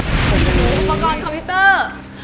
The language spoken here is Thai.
อุปกรณ์คอมพิวเตอร์